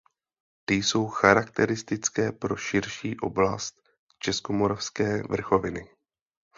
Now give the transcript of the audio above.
Ty jsou charakteristické pro širší oblast Českomoravské vrchoviny.